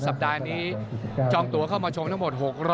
สัปดาห์นี้จองตัวเข้ามาชมทั้งหมด